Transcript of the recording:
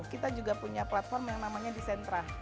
kita juga punya platform yang namanya dicentra